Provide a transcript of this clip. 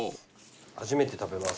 初めて食べます。